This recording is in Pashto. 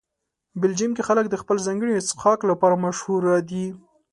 بلجیم کې خلک د خپل ځانګړي څښاک لپاره مشهوره دي.